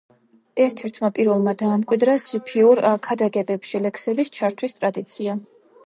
ერთ-ერთმა პირველმა დაამკვიდრა სუფიურ ქადაგებებში ლექსების ჩართვის ტრადიცია.